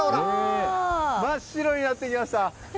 真っ白になってきました。